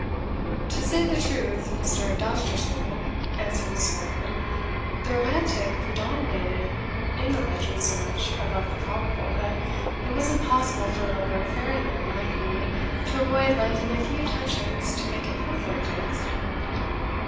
"To say the truth, Mr. Dousterswivel," answered Miss Wardour, "the romantic predominated in the legend so much above the probable, that it was impossible for a lover of fairyland like me to avoid lending a few touches to make it perfect in its kind.